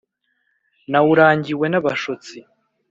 Nawurangiwe n’ abashotsi